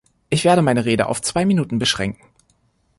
Ich werde meine Rede auf zwei Minuten beschränken.